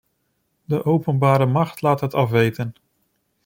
De openbare macht laat het afweten.